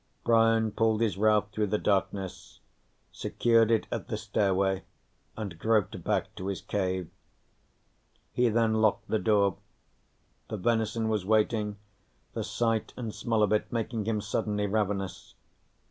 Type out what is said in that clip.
Brian pulled his raft through the darkness, secured it at the stairway, and groped back to his cave. He then locked the door. The venison was waiting, the sight and smell of it making him suddenly ravenous.